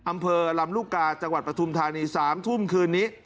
อำเภอลำลูกกาจังหวัดปฐุมธานี๓ทุ่มคืนนี้